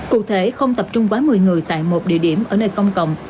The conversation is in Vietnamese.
cụ thể không tập trung quá một mươi người tại một địa điểm ở nơi công cộng